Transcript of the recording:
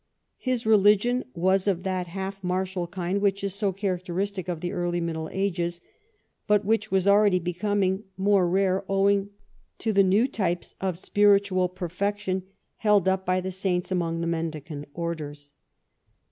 His religion was of that half martial kind which is so characteristic of the early Middle Ages, but which was already becoming more rare owing to the new types of spiritual perfection held up by the saints among the JNlendicant Orders.